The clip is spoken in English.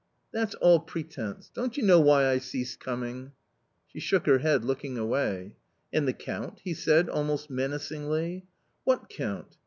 "That's all pretence! don't you know why I ceased coming ?" She shook her head, looking away. "And the Count?" he said almost menacingly. "What Count?"